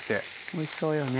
おいしそうよね。